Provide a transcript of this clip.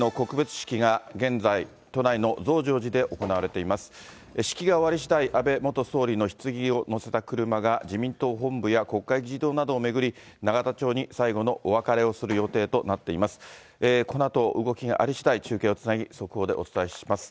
式が終わりしだい、安倍元総理のひつぎを載せた車が自民党本部や国会議事堂などを巡り、永田町に最後のお別れをする予定となっています。